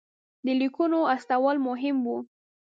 د لیکونو استول مهم وو.